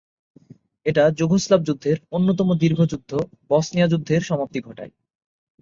এটা যুগোস্লাভ যুদ্ধের অন্যতম দীর্ঘ যুদ্ধ বসনিয়া যুদ্ধের সমাপ্তি ঘটায়।